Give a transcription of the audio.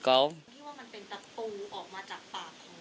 คุณคิดว่ามันเป็นตะปูออกมาจากปากของน้องเขาแล้วก็อ้วกเป็นเลือด